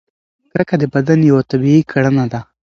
کرکه د بدن یوه طبیعي کړنه ده.